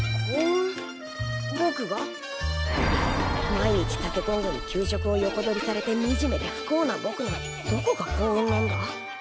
毎日タケコングに給食を横取りされてみじめで不幸なぼくのどこが幸運なんだ？